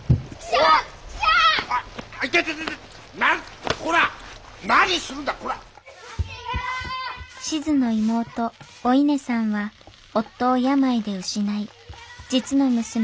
しづの妹お稲さんは夫を病で失い実の娘